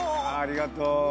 ありがとう。